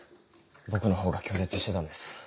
僕のほうが拒絶してたんです。